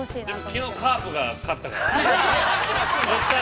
◆きのうカープが勝ったから。